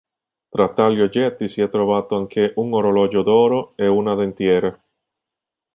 Tra tali oggetti si è trovato anche un orologio d'oro e una dentiera.